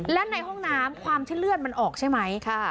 และในห้องน้ำความที่เลือดมันออกใช่ไหม